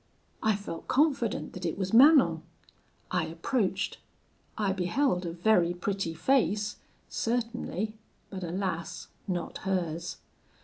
"I felt confident that it was Manon. I approached. I beheld a very pretty face, certainly, but alas, not hers.